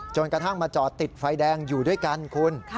กระทั่งมาจอดติดไฟแดงอยู่ด้วยกันคุณ